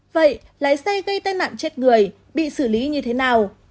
vậy lái xe gây tai nạn chết người bị xử lý như thế nào